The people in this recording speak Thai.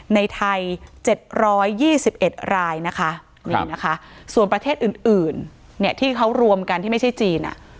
ในไทย๗๒๑รายนะคะนี่นะคะส่วนประเทศอื่นเนี่ยที่เขารวมกันที่ไม่ใช่จีน